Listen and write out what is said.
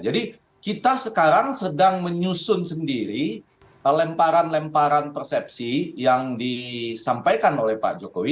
jadi kita sekarang sedang menyusun sendiri lemparan lemparan persepsi yang disampaikan oleh pak jokowi